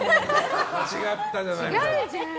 間違ったじゃない！みたいな。